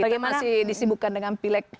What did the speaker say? tapi masih disibukkan dengan pileg